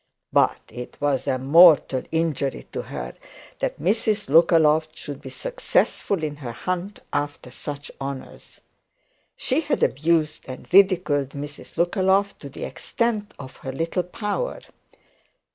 But it was a mortal injury to her that Mrs Lookaloft should be successful in her hunt after such honours. She had abused and ridiculed Mrs Lookaloft to the extent of her little power.